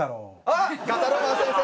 あっガタロー☆マン先生！